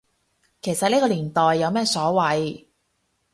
其實呢個年代有咩所謂